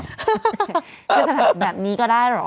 จะทำแบบนี้ก็ได้เหรอ